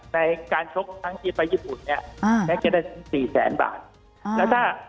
ในการชกทั้งที่ไปญี่ปุ่นเนี่ยแม็กซ์จะได้ถึง๔๐๐๐๐๐บาท